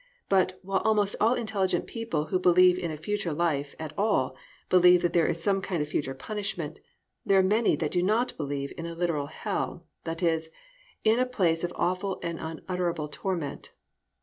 But, while almost all intelligent people who believe in a future life at all believe that there is some kind of future punishment, there are many that do not believe in a literal hell, that is, in a place of awful and unutterable torment.